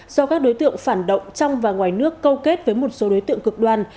do các đối tượng phản động trong và ngoài nước câu kết với một số đối tượng cực đoan